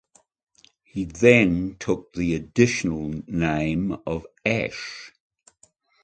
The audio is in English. He then took the additional name of Ashe.